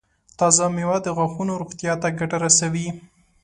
تازه مېوه د غاښونو روغتیا ته ګټه رسوي.